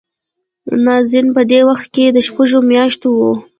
نازنين په دې وخت کې دشپږو مياشتو وه.